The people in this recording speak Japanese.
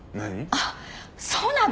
あっそうなの？